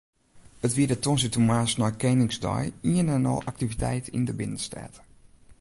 It wie de tongersdeitemoarns nei Keningsdei ien en al aktiviteit yn de binnenstêd.